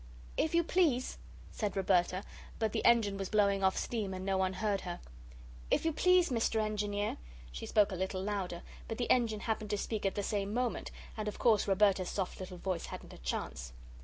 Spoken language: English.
"If you please," said Roberta but the engine was blowing off steam and no one heard her. "If you please, Mr. Engineer," she spoke a little louder, but the Engine happened to speak at the same moment, and of course Roberta's soft little voice hadn't a chance.